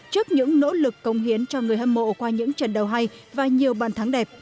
trước những nỗ lực công hiến cho người hâm mộ qua những trận đầu hay và nhiều bàn thắng đẹp